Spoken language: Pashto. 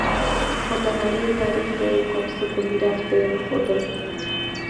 خو د نړۍ تاریخ ته یې کوم څه په میراث پرې نه ښودل